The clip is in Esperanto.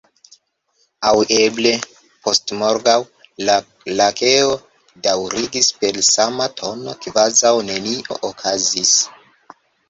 "Aŭ eble postmorgaŭ," la Lakeo daŭrigis per sama tono, kvazaŭ nenio okazis.